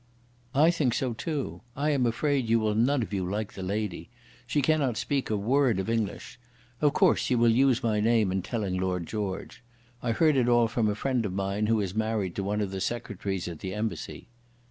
"I think so too. I am afraid you will none of you like the lady. She cannot speak a word of English. Of course you will use my name in telling Lord George. I heard it all from a friend of mine who is married to one of the Secretaries at the Embassy."